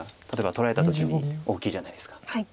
例えば取られた時に大きいじゃないですか。